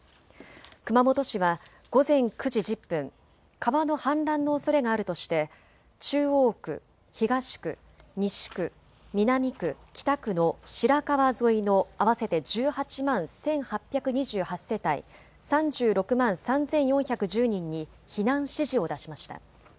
熊本市は午前９時１０分、川の氾濫のおそれがあるとして中央区、東区、西区、南区、北区の白川沿いの合わせて１８万１８２８世帯３６万３４１０人に避難指示を出しました。